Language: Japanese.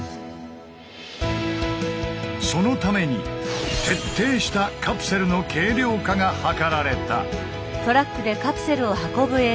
そのために徹底したカプセルの軽量化が図られた。